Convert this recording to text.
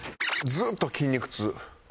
ずっと筋肉痛。